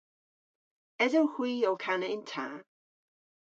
Esowgh hwi ow kana yn ta?